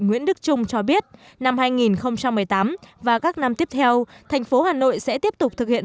nguyễn đức trung cho biết năm hai nghìn một mươi tám và các năm tiếp theo thành phố hà nội sẽ tiếp tục thực hiện